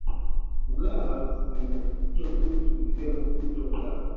uggala inavivutio vingi vikiwemo mto ugalla